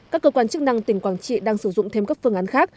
các cơ quan chức năng tỉnh quảng trị đang sử dụng thêm các phương án khác